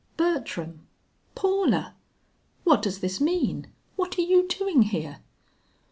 "Bertram! Paula! What does this mean? What are you doing here?"